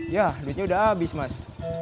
ya duitnya udah habis mas